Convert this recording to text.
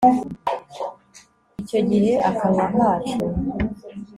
icyo gihe akanwa kacu